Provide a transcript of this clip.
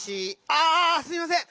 ああすみません！